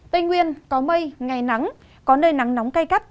tây nguyên có mây ngày nắng có nơi nắng nóng cay gắt